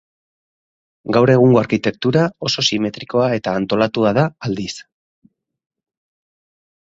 Gaur egungo arkitektura oso simetrikoa eta antolatua da, aldiz.